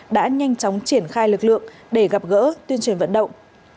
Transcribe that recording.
đã nhanh chóng triển khai lực lượng để gặp gỡ tuyên truyền vận động